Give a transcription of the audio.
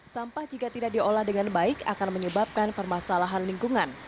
sampah jika tidak diolah dengan baik akan menyebabkan permasalahan lingkungan